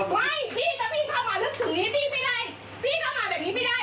ไม่พี่ก็วิ่งเข้ามานึกถึงนี้พี่ไม่ได้พี่เข้ามาแบบนี้ไม่ได้